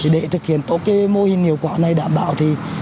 để thực hiện tổ chức mô hình hiệu quả này đảm bảo